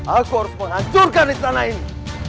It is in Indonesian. aku harus menghancurkan istana ini